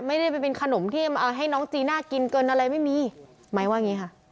ไม่ได้ไปเป็นขนมที่ให้น้องจีน่ากินเกินอะไรไม่มีไม้ว่าอย่างนี้ค่ะ